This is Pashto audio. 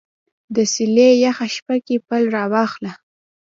د څیلې یخه شپه کې پل راواخله